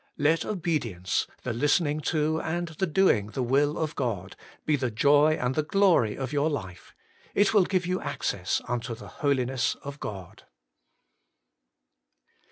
Let obedience, the listening to and the doing the will of God, be the joy and the glory of your life ; it will give you access unto the Holiness of God.